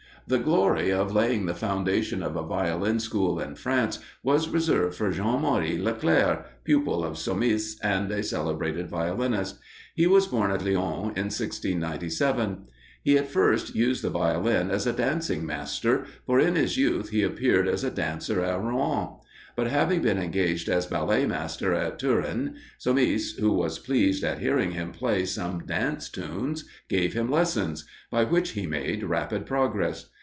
The glory of laying the foundation of a Violin school in France was reserved for Jean Marie Leclair, pupil of Somis, and a celebrated violinist. He was born at Lyons in 1697. He at first used the Violin as a dancing master, for in his youth he appeared as a dancer at Rouen; but having been engaged as ballet master at Turin, Somis, who was pleased at hearing him play some dance tunes, gave him lessons, by which he made rapid progress.